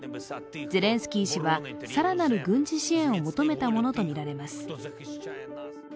ゼレンスキー氏はさらなる軍事支援を求めたものとみられます。